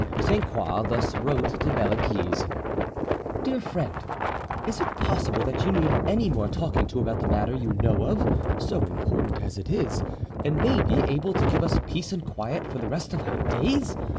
Sainte Croix thus wrote to Belleguise: "DEAR FRIEND,—Is it possible that you need any more talking to about the matter you know of, so important as it is, and, maybe, able to give us peace and quiet for the rest of our days!